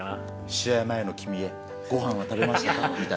試合前の君へ、ごはんは食べましたかみたいな。